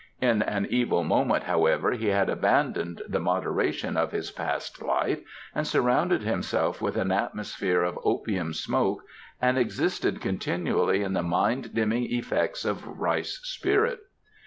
In an evil moment, however, he had abandoned the moderation of his past life and surrounded himself with an atmosphere of opium smoke and existed continually in the mind dimming effects of rice spirit.